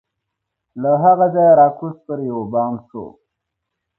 له هغه ځایه را کوز پر یوه بام سو